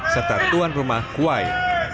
serta tuan rumah kuai